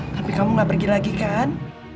tapi kamu gak pergi lagi kan